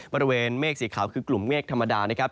บริเวณเมฆสีขาวคือกลุ่มเมฆธรรมดานะครับ